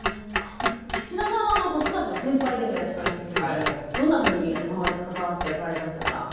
石田さんは子育ての先輩でもいらっしゃいますけれどもどんなふうに周りと関わってこられましたか？